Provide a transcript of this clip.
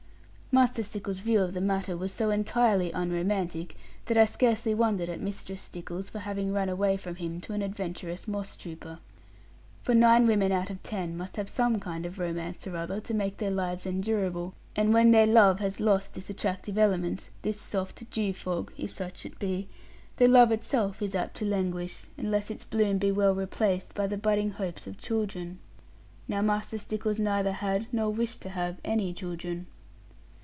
Master Stickles's view of the matter was so entirely unromantic, that I scarcely wondered at Mistress Stickles for having run away from him to an adventurous moss trooper. For nine women out of ten must have some kind of romance or other, to make their lives endurable; and when their love has lost this attractive element, this soft dew fog (if such it be), the love itself is apt to languish; unless its bloom be well replaced by the budding hopes of children. Now Master Stickles neither had, nor wished to have, any children.